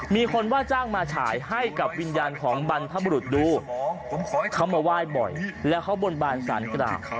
มีคนว่าจ้างมาฉายให้กับวิญญาณของบรรพบุรุษดูเขามาไหว้บ่อยแล้วเขาบนบานสารกล่าว